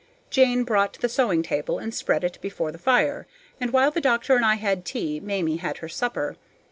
Jane brought the sewing table and spread it before the fire, and while the doctor and I had tea, Mamie had her supper.